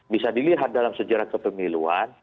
bisa dilihat dalam sejarah kepemiluan